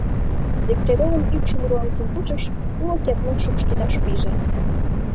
Дегтяревын ӱпшым руалтен кучыш, уло кертмын шупшкедаш пиже.